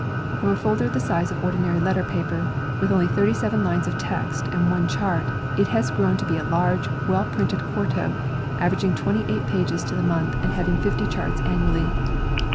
From a folder the size of ordinary letter paper, with only 37 lines of text and one chart, it has grown to be a large, well printed quarto, averaging 28 pages to the month and having 50 charts annually.